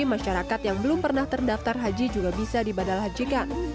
masyarakat yang belum pernah terdaftar haji juga bisa dibadal hajikan